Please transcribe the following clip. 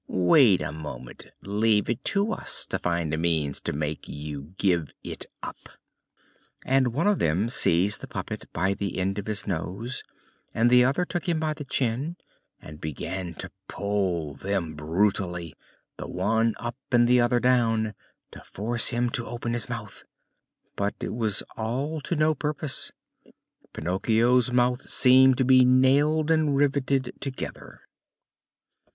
Wait a moment, leave it to us to find a means to make you give it up." And one of them seized the puppet by the end of his nose, and the other took him by the chin, and began to pull them brutally, the one up and the other down, to force him to open his mouth. But it was all to no purpose. Pinocchio's mouth seemed to be nailed and riveted together.